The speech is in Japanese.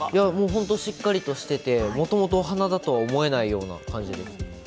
本当しっかりとしててもともとお花だと思えないような感じです。